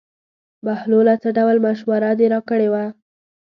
بهلوله څه ډول مشوره دې راکړې وه.